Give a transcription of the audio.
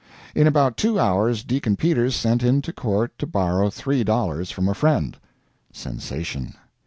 In about two hours Deacon Peters sent into court to borrow three dollars from a friend. [Sensation.